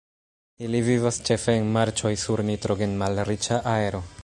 Ili vivas ĉefe en marĉoj, sur nitrogen-malriĉa aero.